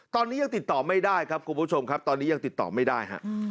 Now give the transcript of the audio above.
ตอนนี้ยังติดต่อไม่ได้ครับคุณผู้ชมครับตอนนี้ยังติดต่อไม่ได้ฮะ